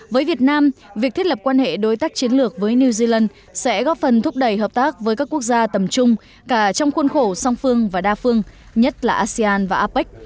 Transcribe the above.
đối tác chiến lược với new zealand sẽ góp phần thúc đẩy hợp tác với các quốc gia tầm trung cả trong khuôn khổ song phương và đa phương nhất là asean và apec